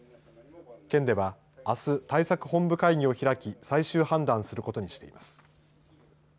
県ではあす、対策本部会議を開き最終判断することにしています。